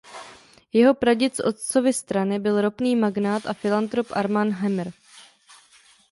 Jeho praděd z otcovy strany byl ropný magnát a filantrop Armand Hammer.